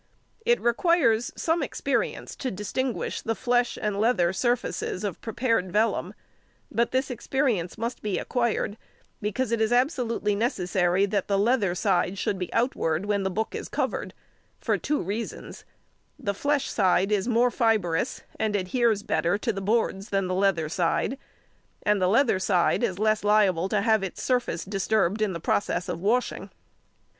It requires some experience to distinguish the flesh and leather surfaces of prepared vellum, but this experience must be acquired, because it is absolutely necessary that the leather side should be outward when the book is covered, for two reasons: the flesh side is more fibrous, and adheres better to the boards than the leather side, and the leather side is less liable to have its surface disturbed in the process of washing.